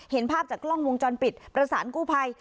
เห็นภาพจากกล้องวงจรปิดประสานกู้ภัย